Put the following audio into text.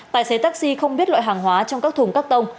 tài xế taxi không biết loại hàng hóa trong các thùng cắt tông